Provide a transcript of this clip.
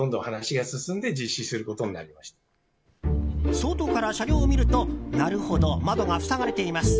外から車両を見るとなるほど、窓が塞がれています。